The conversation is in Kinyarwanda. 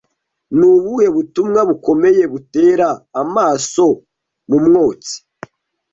Ni ubuhe butumwa bukomeye butera amaso mu mwotsi